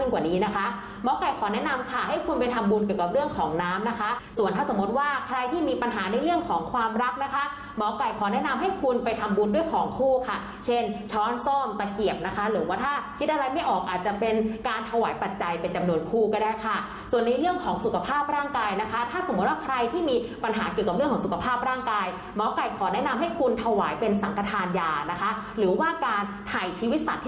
ขอแนะนำให้คุณไปทำบุญด้วยของคู่ค่ะเช่นช้อนซ่อมตะเกียบนะคะหรือว่าถ้าคิดอะไรไม่ออกอาจจะเป็นการถวายปัจจัยเป็นจำนวนคู่ก็ได้ค่ะส่วนในเรื่องของสุขภาพร่างกายนะคะถ้าสมมติว่าใครที่มีปัญหาเกี่ยวกับเรื่องของสุขภาพร่างกายเมาะไก่ขอแนะนำให้คุณถวายเป็นสังกระทานยานะคะหรือว่าการถ่ายชีวิตสัต